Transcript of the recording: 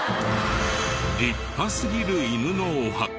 立派すぎる犬のお墓。